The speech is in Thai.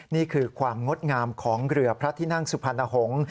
นี่คือความงดงามของเรือพระที่นั่งสุพรรณหงษ์